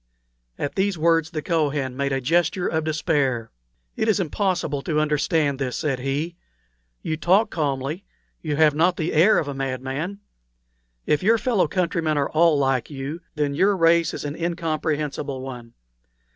At these words the Kohen made a gesture of despair. "It is impossible to understand this," said he. "You talk calmly; you have not the air of a madman. If your fellow countrymen are all like you, then your race is an incomprehensible one.